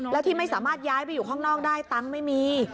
แล้วที่ไม่สามารถย้ายไปอยู่ข้างนอกได้ตังค์ไม่มี